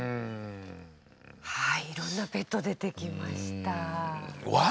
はい色んなペット出てきました。